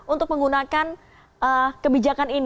untuk menggunakan kebijakan